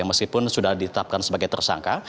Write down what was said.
meskipun sudah ditetapkan sebagai tersangka